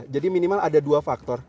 jadi minimal ada dua faktor